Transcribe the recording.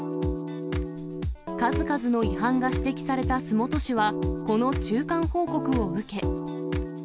数々の違反が指摘された洲本市は、この中間報告を受け。